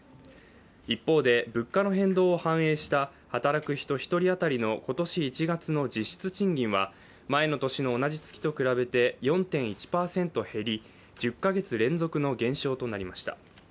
一方で物価の変動を反映した働く人１人当たりの今年１月の実質賃金は前の年の同じ月と比べて４．１％減り１０か月連続の減少となりました。